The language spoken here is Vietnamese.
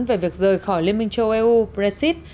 về việc rời khỏi liên minh châu eu brexit